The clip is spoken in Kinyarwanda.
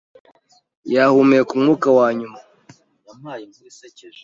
Yahumeka umwuka wa nyuma.